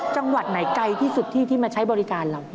จังหวัดไหนไกลที่สุดที่มาใช้บริการเรา